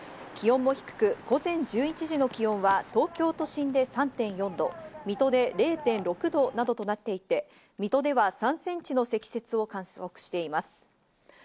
気温も低く、午前１１時の気温は東京都心で３．４度、水戸で０．６度などとなっていて水戸では３センチの積雪を観測しています。